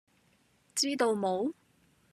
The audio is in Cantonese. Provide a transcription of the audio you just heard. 知道冇?